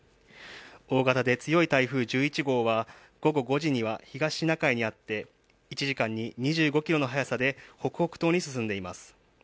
大型で強い台風１１号は午後５時には東シナ海にあって１時間に２５キロの速さで北北東に進んでいます。